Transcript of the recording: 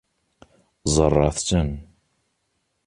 Ẓṛant-tten.